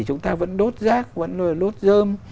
chúng ta vẫn đốt rác vẫn đốt dơm